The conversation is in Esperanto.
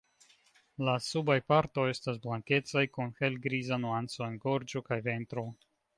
La subaj partoj estas blankecaj kun helgriza nuanco en gorĝo kaj ventro.